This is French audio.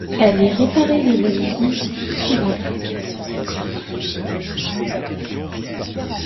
Elle est réparée le lundi suivant.